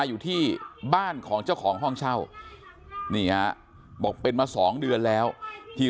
อยู่ที่บ้านของเจ้าของห้องเช่านี่ฮะบอกเป็นมา๒เดือนแล้วที่